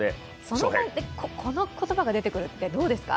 その場でこの言葉が出てくるのはどうですか？